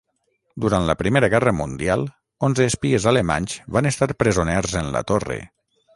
Durant la Primera Guerra Mundial onze espies alemanys van estar presoners en la Torre.